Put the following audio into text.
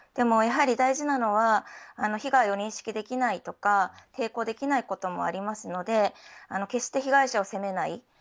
やはり大事なのは被害を認識できないとか抵抗できないこともありますので決して被害者を責めない。